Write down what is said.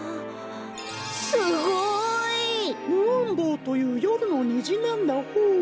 すごい！ムーンボウというよるのにじなんだホー。